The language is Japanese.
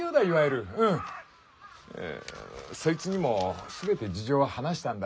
そいつにも全て事情を話したんだ。